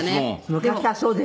昔はそうですよね。